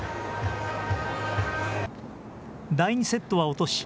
第２セットは落とし